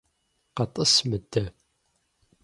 КъэтӀыс мыдэ!